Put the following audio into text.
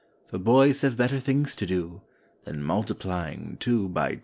For boys have better things to do Than multiplying two by two!